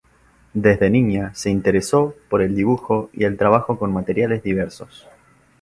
Desde niña se interesó por el dibujo y el trabajo con materiales diversos.